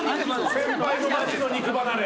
先輩のマジの肉離れ。